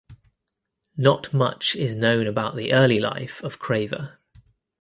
Not much is known about the early life of Craver.